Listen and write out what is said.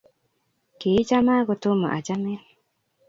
kiichama ko tomo achamin